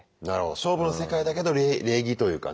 勝負の世界だけど礼儀というかね。